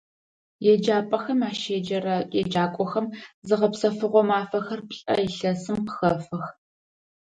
Еджапӏэхэм ащеджэрэ еджакӏохэм зыгъэпсэфыгъо мафэхэр плӏэ илъэсым къыхэфэх.